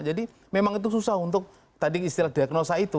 jadi memang itu susah untuk tadi istilah diagnosa itu